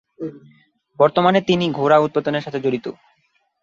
বর্তমানে তিনি ঘোড়া উৎপাদনের সাথে জড়িত।